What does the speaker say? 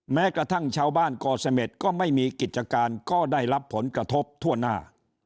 แม้กระทั่งชาวบ้านก่อเสม็ดก็ไม่มีกิจการก็ได้รับผลกระทบทั่วหน้า